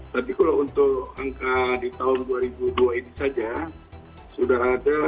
tapi kalau untuk angka di tahun dua ribu dua ini saja sudah ada tiga ratus dua belas